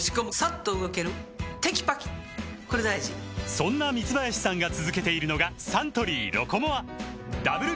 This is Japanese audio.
そんな三林さんが続けているのがサントリー「ロコモア」ダブル